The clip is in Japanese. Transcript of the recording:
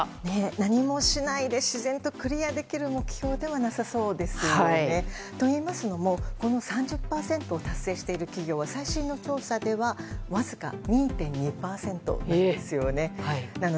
何もしないで自然とクリアできる目標ではなさそうですよね。といいますのもこの３０％を達成している企業は最新の調査ではわずか２．２％なんですです。